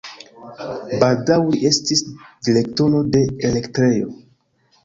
Baldaŭ li estis direktoro de elektrejo.